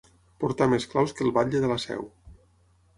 Portar més claus que el batlle de la Seu.